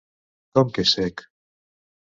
Com que és cec?